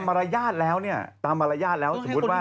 เพราะว่าตอนนี้ก็ไม่มีใครไปข่มครูฆ่า